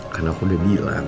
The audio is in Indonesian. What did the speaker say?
kan aku udah bilang